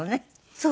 そう。